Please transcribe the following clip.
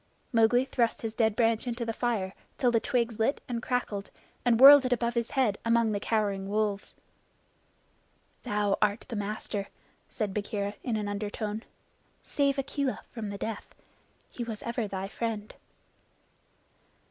Mowgli thrust his dead branch into the fire till the twigs lit and crackled, and whirled it above his head among the cowering wolves. "Thou art the master," said Bagheera in an undertone. "Save Akela from the death. He was ever thy friend."